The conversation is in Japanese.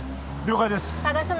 了解です